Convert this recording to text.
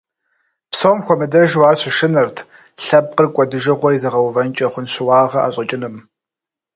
Псом хуэмыдэжу ар щышынэрт лъэпкъыр кӀуэдыжыгъуэ изыгъэувэнкӀэ хъун щыуагъэ ӀэщӀэкӀыным.